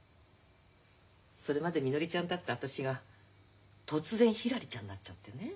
それまでみのりちゃんだった私が突然ひらりちゃんになっちゃってね。